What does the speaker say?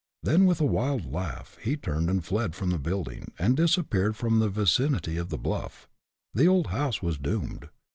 Then, with a wild laugh, he turned and fled from the building, and disappeared from the vicinity of the bluff. The old house was doomed.